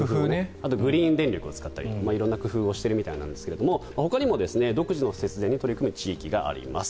あとはグリーン電力を使ったり色んな工夫をしているみたいですがほかにも独自の節電に取り組む地域があります。